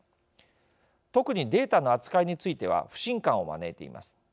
特にデータの扱いについては不信感を招いています。